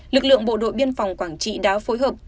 lực lượng bộ đội biên phòng quảng trị đã phối hợp